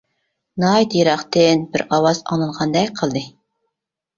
ناھايىتى يىراقتىن بىر ئاۋاز ئاڭلانغاندەك قىلدى.